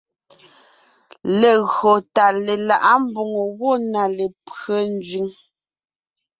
Legÿo tà lelaʼá mbòŋo gwɔ̂ na lépÿɛ́ nzẅìŋ.